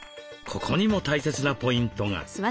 ここにも大切なポイントが。